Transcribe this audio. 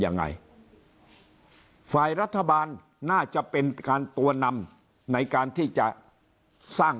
ยังไงฝ่ายรัฐบาลน่าจะเป็นการตัวนำในการที่จะสร้าง